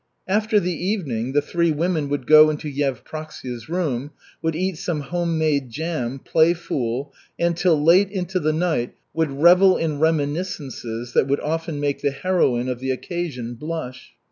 After the evening, the three women would go into Yevpraksia's room, would eat some homemade jam, play fool, and, till late into the night, would revel in reminiscences that would often make the heroine of the occasion blush.